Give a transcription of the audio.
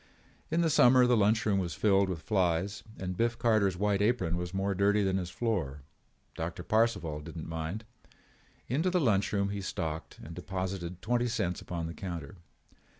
In the summer the lunch room was filled with flies and Biff Carter's white apron was more dirty than his floor. Doctor Parcival did not mind. Into the lunch room he stalked and deposited twenty cents upon the counter.